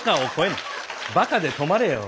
バカで止まれよ。